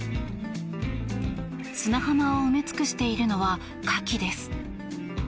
砂浜を埋め尽くしているのはカキです。